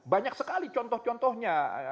banyak sekali contoh contohnya